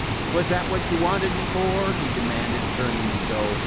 "Was that what you wanted me for?" he demanded, turning to go.